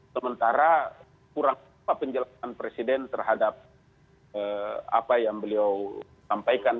sementara kurang apa penjelasan presiden terhadap apa yang beliau sampaikan